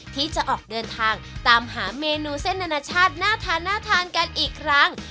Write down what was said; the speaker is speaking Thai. ที่จะออกเดินทางตามหาเมนูเส้นอนาชาติน่าทานน่าทานกันอีกครั้ง